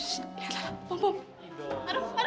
shh lihat lah pompom